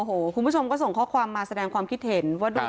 โอ้โหคุณผู้ชมก็ส่งข้อความมาแสดงความคิดเห็นว่าด้วย